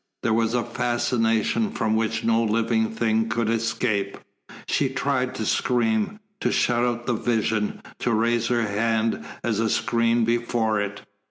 There was a fascination from which no living thing could escape. She tried to scream, to shut out the vision, to raise her hand as a screen before it.